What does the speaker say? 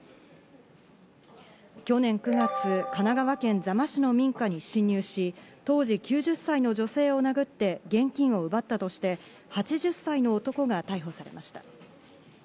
去年９月、神奈川県座間市の民家に侵入し、当時９０歳の女性を殴って現金を奪ったとして、８０歳の男が逮捕されました。